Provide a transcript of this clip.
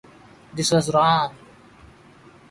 This was wrong.